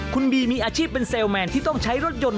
คุณบีมีอาชีพเป็นเซลแมนที่ต้องใช้รถยนต์